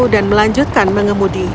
dan melanjutkan mengemudi